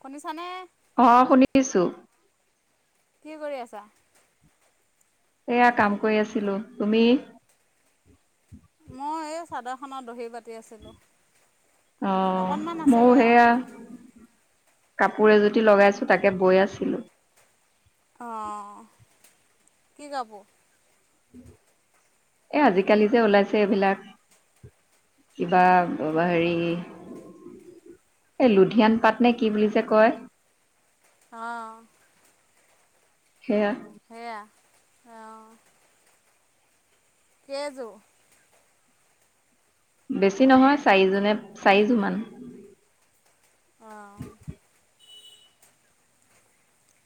শুনিছানে অ' শুনিছো। কি কৰি আছা? এয়া কাম কৰি আছিলো তুমি? মই এই চাদৰ খনৰ দহি বাতি আছিলোঁ। অকণমান অ' মোৰ আছেগৈ আৰু সেয়া। কাপোৰ এজুতি লগাইছো তাকে বৈ আছিলো। অ' কি কাপোৰ? এ আজিকালি যে ওলাইছে, এইবিলাক। কিবা হেৰি এই লুধিয়ান পাতনে কি বুলি যে কয়। অ' সেয়া। সেয়া সেয়া অ ' কেইযোৰ বেছি নহয় চাৰিজোনে চাৰিযোমান। অঁ [inaudible]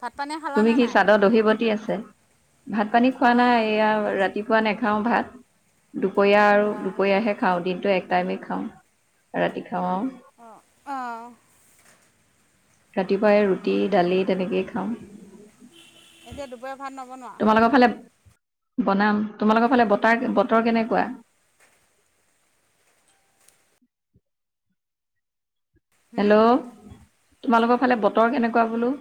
ভাত পানী তুমি খালানে কি নাই? চাদত দহিবতি আছে? ভাত পানী খোৱা নাই অঁ দহি জএয়া বাতি আছোঁ ৰাতিপুৱা নাখাও ভাত। দুপৰীয়া আৰু অঁ দুপৰীয়াহে খাওঁ দিনটো এক টাইমেই খাওঁ ৰাতি খাও। অ' অঁ অঁ ৰাতিপুৱাই ৰুটি দালি তেনেকেই খাওঁ এতিয়া দুবৰীয়া ভাত নবনোৱা তোমালোকৰ ফালে বনাম তোমালোকৰ ফালে বতাৰ বতৰ কেনেকুৱা [inaudible] হুম হেল্ল' তোমালোকৰ ফালে বতৰ কেনেকুৱা বোলো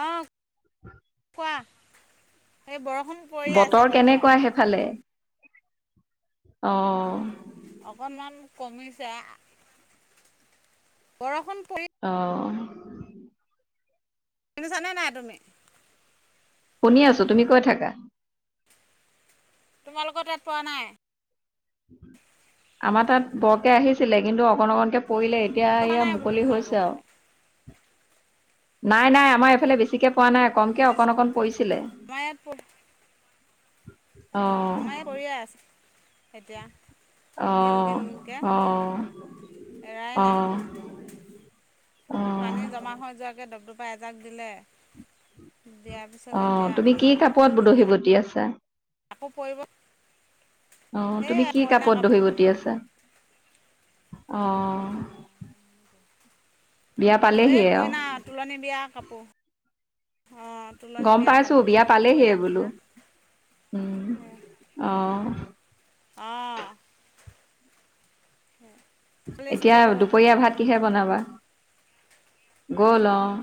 অ কোৱা এই বৰ বতৰ কেনেকুৱা সেইফালে অ অকণমান কমিছে বৰষুণ পৰি অহ শুনিছানে নাই তুমি শুনি আছো তুমি কৈ থাকা তোমালোকৰ তাত পৱা নাই আমাৰ তাত বৰকে আহিছিলে কিন্তু অকণ অকনকে পৰিলে এতিয়া পৰা ইয়া নাই বোলো মুকলি তোমালোকৰ হৈছে আও ফালে নাই নাই আমাৰ এইফালে বেছিকে পৱা নাই কমকে অকণ অঁ অকণ পৰিছিলে আমাৰ অ আমাৰ ইয়াত পৰিয়ে আছে এতিয়া অ কিনকিনকে অ এৰাই অ নাই। অ পানী জমা হৈ যোৱাকে দবদপা এজাক দিলে। দিয়াৰ পিছত এতিয়া অ', তুমি অকণ কি আকৌ কিন কাপোৰত কিনকৈ দহি বটি আছা? আকৌ পৰিব। অ', এই তুমি কি কইনা কাপোৰত দহি কাপোৰ বটি আছা? অঁ। এই কইনা তোলনী বিয়া কাপোৰ। অঁ তোলনি গম পাইছো কাপোৰ যে বিয়া কইনা পালেহিয় বোলো। পিন্ধা উম, অ'। অ'। এতিয়া দুপৰীয়া ভাত কিহে? বনাবা গল অঁ।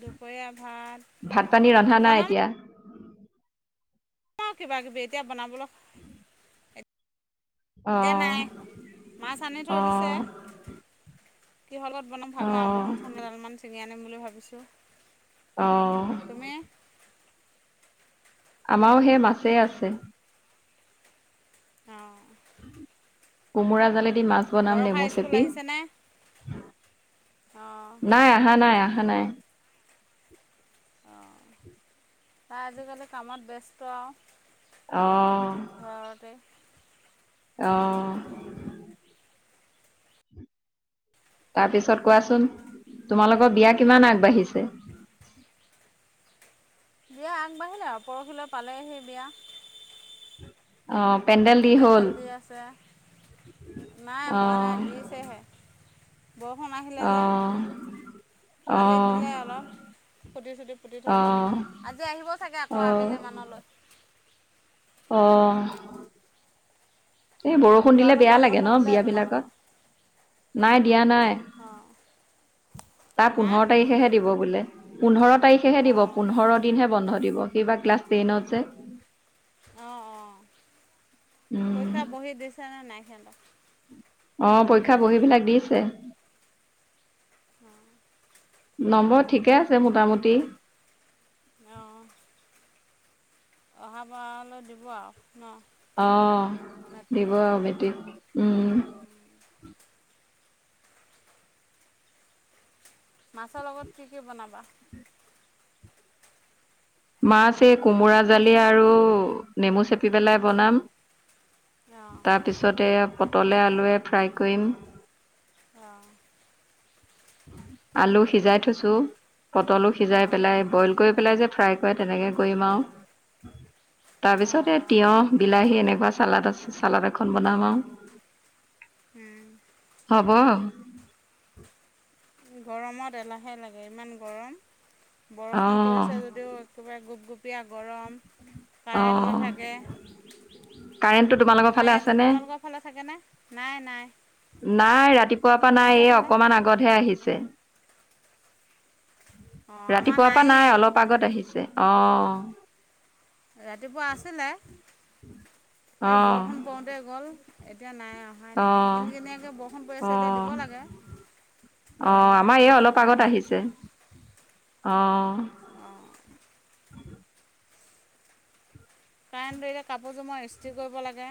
দুপৰীয়া ভাত ভাত পানী ৰন্ধা নাই বনাম এতিয়া। অ', কিবা কিবি এতিয়া বনাবলৈ উম। এতিয়া নাই মাছ আনি থৈ দিছে। অঁ কিহলত বনাম ভাবি আৰু অঁ বন চোন এডালমান ছিঙি আনিম বুলি ভাবিছোঁ। তুমি অ'। আমাও সেই মাছে আছে। অঁ। কোমোৰা জালে। মাছ বনাম বৰষা নেমু স্কুল চেপি, আহিছেনে অঁ নাই আহা, নাই আহা। আহা নাই অ', তাই আজিকালি কামত ব্যস্ত আৰু। অঁ। ঘৰতে অঁ। তাৰপিছত কোৱাচোন তোমালোকৰ বিয়া কিমান আগবাঢ়িছে। [inaudible] বিয়া আগবাঢ়িলে আৰু পৰহিলৈ পালে সেই বিয়া। অঁ। পেণ্ডেল দি হ'ল পেণ্ডেল দি আছে, নাই হোৱা অঁ নাই দিছেহে। বৰষুণ আহিলে যে অঁ কালিত অঁ দিলে অলপ। ফুটি চুটি ফুতি থৈ গ'ল অ', আজি আহিবও চাগে আকৌ অ', আবেলি মানলৈ। অ'। এই বৰষুণ দিলে ল'ৰাটো বেয়া গৰম লাগে বন্ধ ন' দিলে বিয়া তোমালোকৰ বিলাকত। নাই দিয়া নাই। অঁ তাৰ হা পোন্ধৰ তাৰিখেহে দিব বোলে পোন্ধৰ তাৰিখেহে দিব অঁ পোন্ধৰ দিনহে বন্ধ দিব। বা ক্লাছ টেনত যে। অ', অ', উম, পৰীক্ষা বহি দিছে নে নাই সিহঁতক। অ', পৰীক্ষা পঢ়ি বিলাক দিছে। অঁ। নম্বৰ ঠিকে আছে মোটামুটি। অ'। অহা বাৰলৈ দিব আও। অ', দিব আৰু বেটিক, উম। মাছৰ লগত কি কি বনাবা? মাছ এই কোমোৰা জালি আৰু নেমু চেপি পেলাই বনাম। অ', তাৰপিছতে পটলে আলুৱে ফ্ৰাই কৰিম। অ'। আলু সিজাই থৈছো, পটলো সিজাই অ', পেলাই বইল কৰি পেলাই যে ফ্ৰাই কৰে তেনেকে কৰিম আৰু। তাৰ অ', পিছত এই অ'। তিঁয়হ বিলাহী এনেকুৱা চালাদ আছে চালাদ এখন বনাম আও। হব। গৰমত এলাহে লাগে, ইমান গৰম। বৰষুণ অঁ পৰিছে যদিও একেবাৰে গোপগুপীয়া গৰম। কাৰেণ্ট অঁ নাথাকে। কাৰেণ্টটো তোমালোকৰ আমাৰ ফালে ইয়াত আছেনে তোমালোকৰ ফালে থাকেনে নাই-নাই। নাই ৰাতিপুৱাৰ পৰা নাই, এই অকমান আগতহে আহিছে। অ', আমাৰ ৰাতিপুৱাৰ পৰা নায়েই। নাই অলপ আগত আহিছে, অ'। ৰাতিপুৱা আছিলে এই অঁ বৰষুণ পৰোতে গ'ল। এতিয়া নাই অহাই নাই অঁ কিনকিনিয়াকে বৰষুণ পৰি আছে এতিয়া দিব লাগে। অ' গৰমত আমাৰ ইমান এইয়া অলপ অসুবিধা আগত হয়। আহিছে। অ'। অ'। কাৰেন্ট ধৰিলে কাপোৰযোৰ মই ইস্ত্ৰি কৰিব লাগে।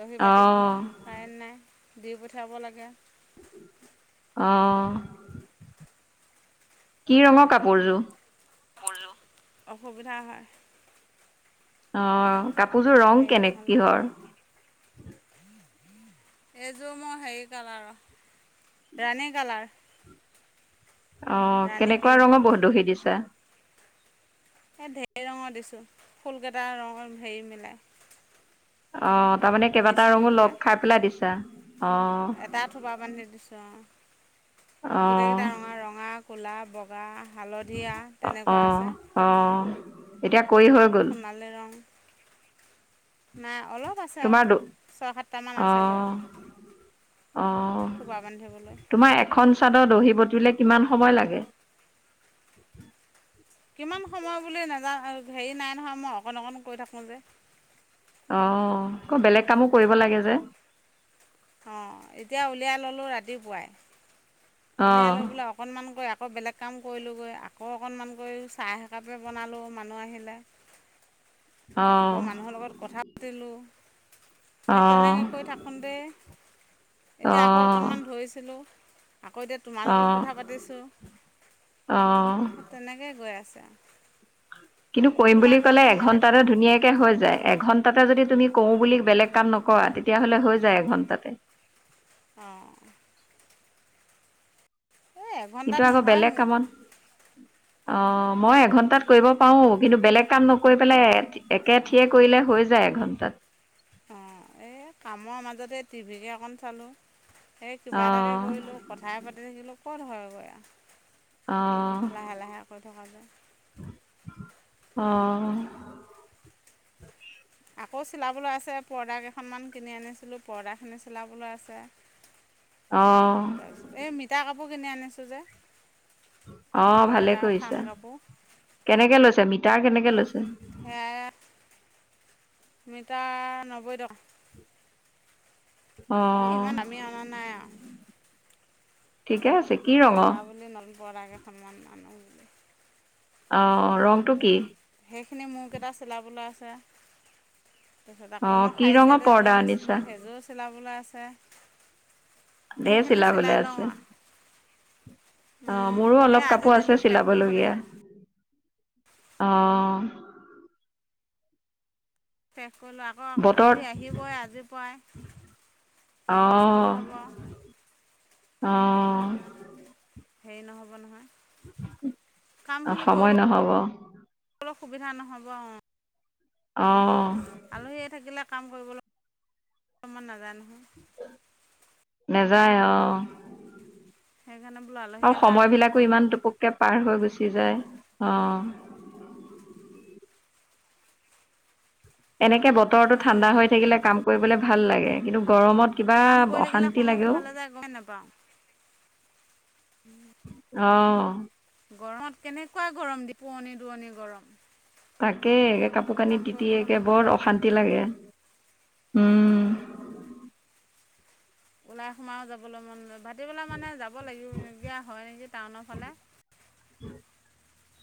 দহি বাতি হ'লে অঁ কাৰেণ্ট নাই দি পঠিয়াব লাগে। অঁ। কি ৰঙৰ কাপোৰযো। [unintelligible] অসুবিধা হয়। অ' কাপোৰযোৰ ৰং হেৰি কেনে নহ'লে কিহৰ। এইযোৰ মোৰ হেৰি কালাৰ ৰাণী কালাৰ। অ' ৰাণী কেনেকুৱা পিংক ৰঙৰ বহ দহি দিছা। এই ঢেৰ ৰঙৰ দিছোঁ ফুলকেইটা ৰঙৰ হেৰি মিলাই। অ' তাৰমানে মিক্স কেইবাটাও কৰি ৰঙো পেলাই লগ খাই পেলাই দিছা। অ', এটা থোপা বান্ধি দিছো অ'। গোটেই অ', কেইটা ৰঙ ৰঙা কলা ব বগা হালধীয়া তেনেকুৱা অ', আছে। অ'। এতিয়া কৰি হৈ গ'ল, সোনালী ৰং না অলপ আছে আৰু তোমাৰ দ ছয় সাতটামান আছেগৈ অ', আৰু। অ'। থোপা বান্ধিবলৈ। তোমাৰ এখন চাদৰ দহি বটিলে কিমান সময় লাগে। কিমান সময় বুলি নাজা হেৰি নাই নহয়, মই অকণ-অকণ কৈ থাকো যে। অ' আকৌ বেলেগ কামো কৰিব লাগে যে। অ' এতিয়া উলিয়াই ল'লোঁ ৰাতিপুৱাই, উলিয়াই লৈ অ', বোলো অকণমান কৰি আকৌ বেলেগ কাম কৰিলোঁগৈ আকৌ অকণমান কৰি চাহ এক একাপে বনালোঁ মানুহ আহিলে। [inaudible] আকৌ মানুহৰ লগত কথা পাতিলোঁ। সেই অ', তেনেকে কৰি থাকোঁতে। এতিয়া আকৌ অ', অকনমান ধৰিছিলো। আকৌ এতিয়া তোমাৰ লগত কথা পাতিছোঁ, অ', অ'। তেনেকেই গৈ আছো। কিন্তু কৰিম বুলি কিমান ক'লে সময় লাগে এঘন্টাতে ধুনীয়াক হৈ যায় এঘণ্টাতে যদি তুমি কৰো বুলি বেলেগ কাম নকৰা তেতিয়াহ'লে হৈ যায় এঘণ্টাতে। [inaudible] অ'। কিন্তু, এঘণ্টাত আকৌ নহয় বেলেগ মোৰ কামত অ মই এঘণ্টাত কৰিব পাৰো কিন্তু বেলেগ কাম নকৰি পেলাই একেঠিয়ে কৰিলে হৈ যায় এঘণ্টাত। অঁ এই কামৰ মাজতে টিভিকেই অকণ চালোঁ। সেই কিবা এটাকে অঁ কৰিলোঁ কথাই পাতি থাকিলোঁ ক'ত হয়গৈ আৰু। অ'। লাহে [inaudible] অ', মুউ চিলাবলৈ আছে, পৰ্দা কেইখনমান কিনি আনিছিলোঁ, পৰ্দাখিনি চিলাবলৈ আছে। অঁ তাৰপিছত, এ [unintelligible] কাপোৰ কিনি আনিছো যে। অক, ভালে পৰ্দা থান কৰিছা, কাপোৰ কেনেকে লৈছা, মিটাৰ কেনেকে লৈছা? সেয়াই [unintelligible] এ অঁ ইমান দামি অনা নাই আৰু। ঠিকে আছে। কি ৰঙৰ বিয়া বুলি নলপ কেইখনমান মানুহ বুলি অ ৰংটো কি? সেইখিনি মোৰকেইটা চিলাবলৈ আছে। তাৰপিছত আকৌ অঁ মই কি ৰঙৰ শাৰি‌ছেট এযোৰ পৰ্দা আনিছা আনিছিলোঁ সেইযোৰও চিলাবলৈ আছে। ধেৰ সেইখিনি চিলাই চিলাবলে লওঁ আছে আৰু অ মোৰো সেই অলপ আজিৰ কাপোৰ আছে দিনটোত শেষ কৰিব চিলাবলগীয়া লাগিব অ। শেষ কৰিলোঁ আকৌ বতৰত আলহী আহিবই আজিৰ পৰাই অ হুলস্থুল হব। অ [inaudible] হেৰি নহ'ব নহয়। অ', সময় নহব। অকনো সুবিধা নহ'ব অ', অ', আলহী থাকিলে। কাম কৰিবলৈ অলমান নাজানো। নাযায় অহ। সেইকাৰণে বোলো আলহী আৰু অহাৰ সময় আগতে বিলাকো কৰি লওঁ ইমান টোপককে পাৰ হৈ গুচি যায় অ', এনেকৈ বতৰটো ঠাণ্ডা হৈ থাকিলে কাম কৰিবলৈ ভাল লাগে। কিন্তু গৰমত। কিবা কাম কৰি থাকিলে অশান্তি লাগে সময়কো ফাঁলে যায় গমেই নাপাও। অহ। কেনেকুৱাই গৰম দি পোৱনি-দুৱনি গৰম। তাকে কাপোৰ কানি কাম তিতি কৰিবলৈ মন একে নাযায় বৰ সেইকাৰণে অশান্তি লাগে। উম [inaudible] ওলাই সোমাইও যাবলৈ মন নাযায়। ভাতিবেলা মানে যাব লাগিবগীয়া হয় নেকি টাউনৰ ফালে? [inaudible]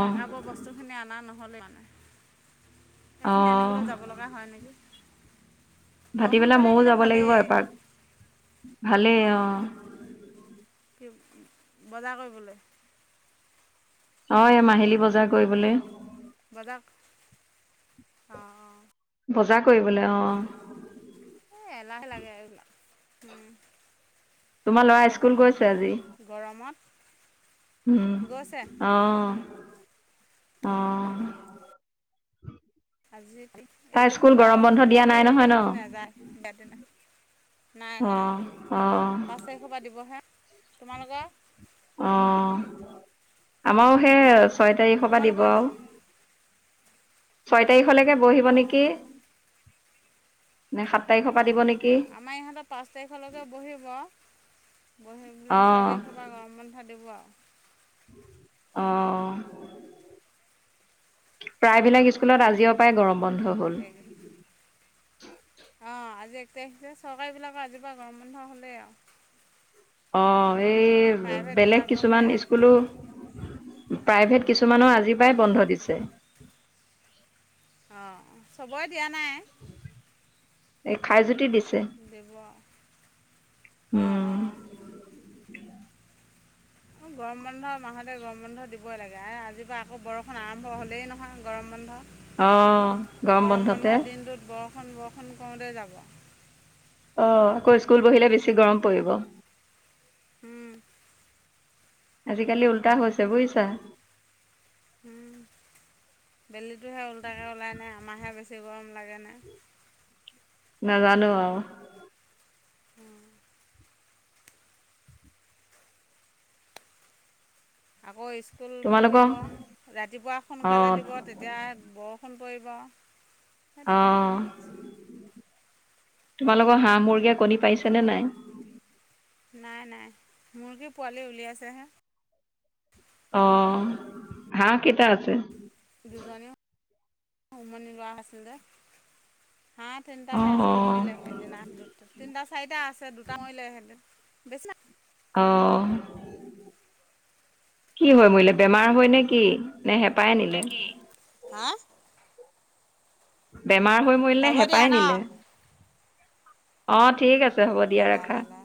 মেকআপৰ বস্তুখিনি অনা নহ'লে মানে সেই অ খিনি আনিবলৈ যাব লগা হয় নেকি? বৰষুণ ভাতিবেলা পৰি ময়ো থাকিলে যাব লাগিব ভালেই এপাক ভালেই অঁ অ', [unintelligible] বজাৰ কৰিবলৈ। অ এই মাহিলী বজাৰ কৰিবলৈ। বাদাক অ-অ, বজাৰ কৰিবলৈ অ', উম, তোমাৰ ল'ৰা স্কুল বজাৰ কৰি গৈছে আজি ফুৰিলে গৰমত উম, গৈছে অহ, অহ, আজি এইকেইদিন যাওঁক আকো দিয়া পৰখি নাই নহয় ন নাযায় বিয়াৰ দিনা। অ নাই-নাই অ পাঁচ তাৰিখৰ পৰা দিবহে তোমালোকৰ অ', আমাৰো সেই, ছয় তাৰিখৰ পৰা দিব তোমালোকৰ আৰু। ছয় তাৰিখলৈকে বহিব অঁ নেকি? নে সাত তাৰিখৰ পৰা অ', দিব নেকি আমাৰ ইহঁতৰ পাঁচ তাৰিখলৈকে বহিব। পৰহি অ বোলে, ছয় তাৰিখৰ পৰা গৰম বন্ধ দিব আৰু। অ', প্ৰায়বিলাক স্কুলত আজিৰে পৰাই গৰম বন্ধ হ'ল। অ', আজি এক তাৰিখ যে, চৰকাৰী বিলাকৰ আজিৰ পৰা গৰম বন্ধ হলেই আৰু। অ' এই বেলেগ কিছুমান প্ৰাইভেটবিলাকৰহে স্কুলো প্ৰাইভেট কিছুমানৰ আজিৰ পায় বন্ধ দিছে। অ' চবৰে দিয়া নাই। এই খাই যুতি বে ব্যৱাৰ উম অ'-অ'। অ'গৰম বন্ধ মাহতে গৰম বন্ধ দিবই লাগে এ আজি পৰা আকৌ বৰষুণ আৰম্ভ হলেই নহয়। গৰম বন্ধ। অ' গৰম বন্ধতে। খন বৰষুণ কৰোঁতে যাব। অ, আকৌ স্কুল বহিলে বেছি গৰম পৰিব। উম। আজিকালি উল্টা হৈছে বুজিছা। উম বেলি [inaudible] বেছি গৰম লাগে নাই? না জানো আৰু। উম। আকৌ স্কুল বহিব, তোমালোকৰ ৰাতিপুৱা অ সোনকালে দিব, তেতিয়া বৰ ফোন কৰিব, সেই অ তেনেকুৱা হৈছে। তোমালোকৰ হাঁহ মুৰ্গীয়ে কণী পাৰিছে নে নাই। নাই নাই মোৰ কি পোৱালি উলিয়াইছে হে। অ' হা কেইটা আছে? দুজনীও [unintelligible] উমনৱোৱা আছিল যে। হা অ তিনিটাাহে অ আছে, মৰিলে সেইদিনা, দু তিনিটা, চাৰিটা আছে দুটা মৰিলে সেইদিনা। বেছনা অ' কি হয় মৰিলে, বেমাৰ হয় নে কি? নে হেঁপাই নিলে [unintelligible] হা? বেমাৰ হৈ মৰিলনে হ'ব দিয়া হেঁপাই ন নিলে, অ' ঠিক আছে। হ'ব দিয়া লেলা ৰাখা। লেলা